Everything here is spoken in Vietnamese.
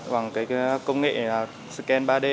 bằng cái công nghệ scan ba d